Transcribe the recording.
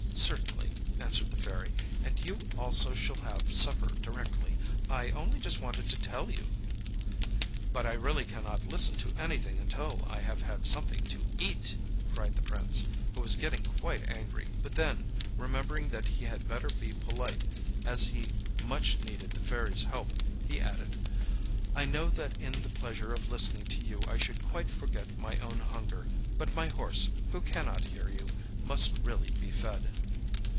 certainly,â answered the Fairy, âand you also shall have supper directly. I only just wanted to tell you â âBut I really cannot listen to anything until I have had something to eat,â cried the Prince, who was getting quite angry; but then, remembering that he had better be polite as he much needed the Fairyâs help, he added: âI know that in the pleasure of listening to you I should quite forget my own hunger; but my horse, who cannot hear you, must really be fed!